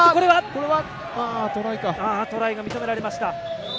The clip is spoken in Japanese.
トライが認められました。